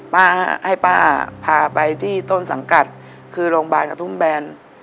ป้าให้ป้าพาไปที่ต้นสังกัดคือโรงพยาบาลกระทุ่มแบน